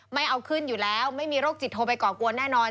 ไม่เอาขึ้นอยู่แล้วไม่มีโรคจิตโทรไปก่อกวนแน่นอน